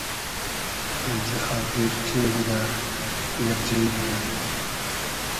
امزی خاتیر ݖینگ بودۂ, یئگ جݷ بودۂ